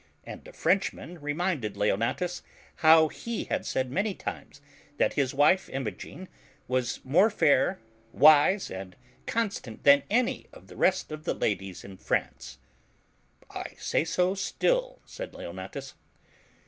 And a Frencliman re minded Leonatus how he had said many times thrt his wife Inu^xni was more fair, wise, and constant than any of the rest of the ladies in France. "I say so still," said Leonatus.